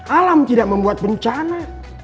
alam tidak membuat bencana